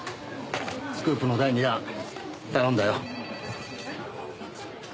スクープの第二弾頼んだよ。